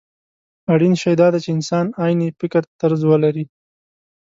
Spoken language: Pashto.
اړين شی دا دی چې انسان عيني فکرطرز ولري.